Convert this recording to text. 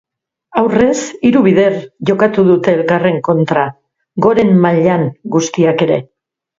Aurrez, hiru bider jokatu dute elkarren kontra, goren mailan guztiak ere.